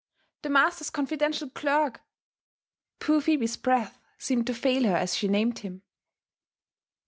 The master's confidential clerk " Poor Phebe's breath seemed to fail her as she named him.